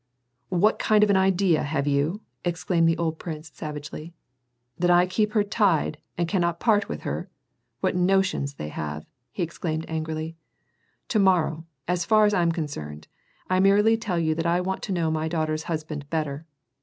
" What kind of an idea have you ?" exclaimed the old prince, savagely, " that I keep her tied, and cannot part with her ? What notions they have !" he exclaimed angrily. "To morrow, as far as I'm concerned, — I merely tell you that I want to know my daughter's husband better.